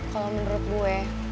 kalo menurut gue